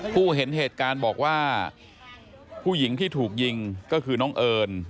ผู้เห็นเหตุการณ์บอกว่าผู้หญิงที่ถูกยิงก็คือน้องเอิญ